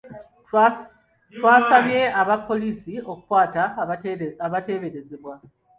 Twasabye aba poliisi okukwata abateeberezebwa.